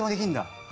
はい。